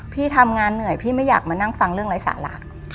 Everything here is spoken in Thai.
พี่ทำงานเหนื่อยพี่ไม่อยากมานั่งฟังเรื่องไร้สาระ